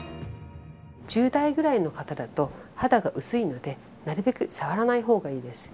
１０代ぐらいの方だと肌が薄いのでなるべく触らない方がいいです。